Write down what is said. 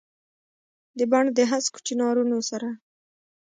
دبڼ دهسکو چنارونو سره ،